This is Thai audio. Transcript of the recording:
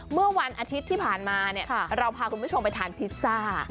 เมื่อวันอาทิตย์ที่ผ่านมาเราพาคุณผู้ชมไปทานพิซซ่า